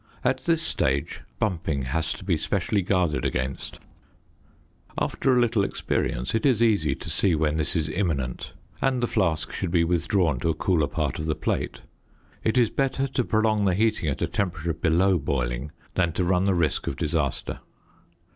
At this stage bumping has to be specially guarded against; after a little experience it is easy to see when this is imminent and the flask should be withdrawn to a cooler part of the plate; it is better to prolong the heating at a temperature below boiling than to run the risk of disaster.